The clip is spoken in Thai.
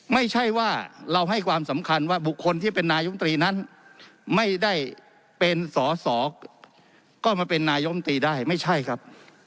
ไม่ใช่ว่าเราให้ความสำคัญว่าบุคคลที่เป็นนายุมตรีนั้นไม่ได้เป็นสอสอก็มาเป็นนายมตรีได้ไม่ใช่ครับ